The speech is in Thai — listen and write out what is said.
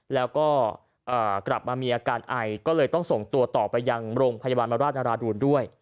แล้วก็กลับมามีอาการไอก็เลยต้องส่งตัวต่อไปยังโรงพยาบาลมราชนาราดูลด้วย